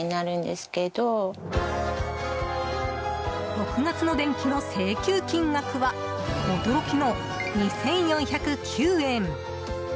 ６月の電気の請求金額は驚きの２４０９円。